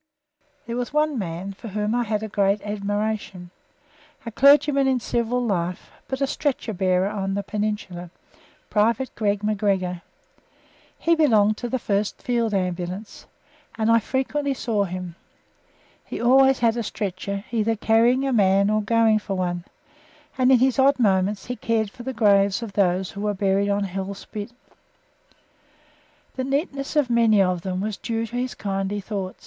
There was one man for whom I had a great admiration a clergyman in civil life but a stretcher bearer on the Peninsula Private Greig McGregor. He belonged to the 1st Field Ambulance, and I frequently saw him. He always had a stretcher, either carrying a man or going for one, and in his odd moments he cared for the graves of those who were buried on Hell Spit. The neatness of many of them was due to his kindly thought.